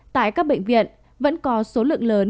tại các bệnh viện vẫn có số lượng lớn